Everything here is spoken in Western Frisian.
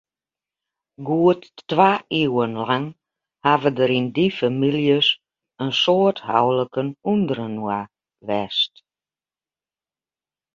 Goed twa iuwen lang hawwe der yn dy famyljes in soad houliken ûnderinoar west.